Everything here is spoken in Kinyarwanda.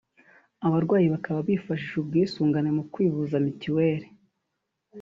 abarwayi bakaba bifashisha ubwisungane mu kwivuza Mitiweli